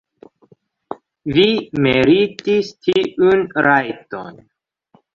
Vi meritis tiun rajton.